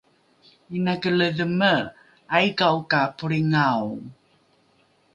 inake ledheme aika’o ka polringao?